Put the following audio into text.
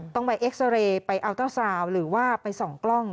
ต้องไปเอ็กซาเรย์ไปอัลเตอร์ซาวน์หรือว่าไปส่องกล้อง